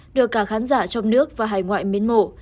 được cả khán giả trong nước và hải ngoại mến mộ